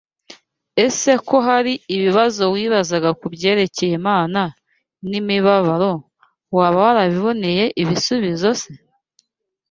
Ese ko hari ibibazo wibazaga ku byerekeye Imana n’imibabaro, waba warabiboneye ibisubizo se?